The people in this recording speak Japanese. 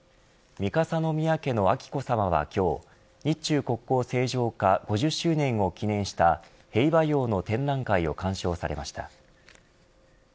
三笠宮家の彬子さまは今日日中国交正常化５０周年を記念した兵馬俑の展覧会を鑑賞されました。